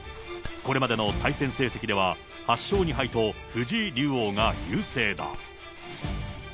これまでの対戦成績では８勝２敗と藤井竜王が優勢だ。